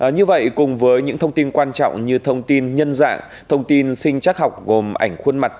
như vậy cùng với những thông tin quan trọng như thông tin nhân dạng thông tin sinh chắc học gồm ảnh khuôn mặt